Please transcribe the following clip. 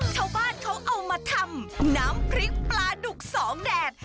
ชาวบ้านเขาเอามาทำน้ำพริกปลาดุกสองแดด